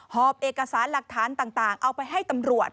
หอบเอกสารหลักฐานต่างเอาไปให้ตำรวจ